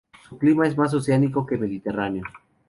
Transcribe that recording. Su clima es más oceánico que mediterráneo.